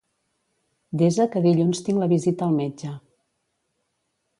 Desa que dilluns tinc la visita al metge.